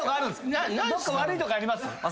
どっか悪いとこあります？